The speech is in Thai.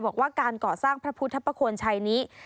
บอกว่าการก่อสร้างพระพุทธประโคนชัยนี้